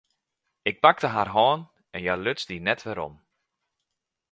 Ik pakte har hân en hja luts dy net werom.